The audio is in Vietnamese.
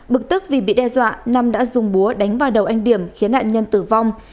bực tức vì bị đe dọa nam đã dùng búa đánh vào đầu anh điểm khiến nạn nhân tử vong